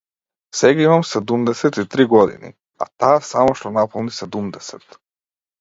Сега имам седумдесет и три години, а таа само што наполни седумдесет.